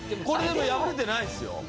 これでも破れてないですよ。